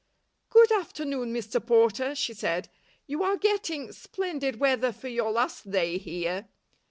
"Good afternoon, Mr Porter," she said. "You are getting splendid weather for your last day here."